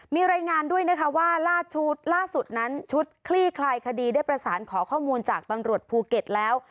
มีรายงานด้วยนะคะว่าล่าสุดนั้นชุดคลี่คลายคดีได้ประสานขอข้อมูลจากตำรวจภูเก็ตแล้ว